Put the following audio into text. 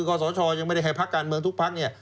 ก็สชยังไม่ได้ให้พักการเมืองทุกพักเนี่ย